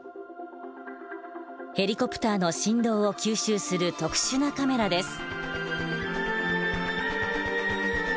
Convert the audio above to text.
ヘリコプターの振動を吸収する特殊なカメラです。